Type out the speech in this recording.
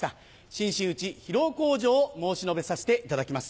新真打披露口上を申し述べさせていただきます。